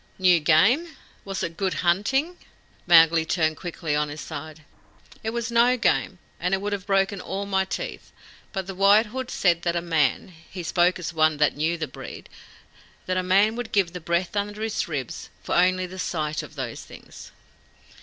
"New game? Was it good hunting?" Mowgli turned quickly on his side. "It was no game, and would have broken all my teeth; but the White Hood said that a man he spoke as one that knew the breed that a man would give the breath under his ribs for only the sight of those things."